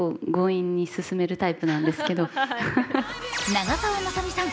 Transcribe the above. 長澤まさみさん